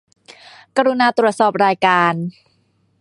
กรุณาตรวจสอบรายการ